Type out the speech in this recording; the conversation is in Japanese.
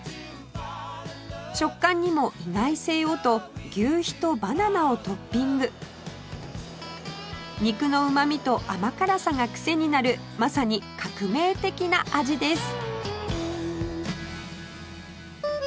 食感にも意外性をと求肥とバナナをトッピング肉のうまみと甘辛さがクセになるまさに革命的な味です